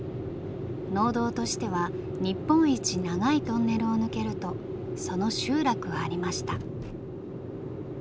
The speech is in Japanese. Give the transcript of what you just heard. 農道としては日本一長いトンネルを抜けるとその集落はありました。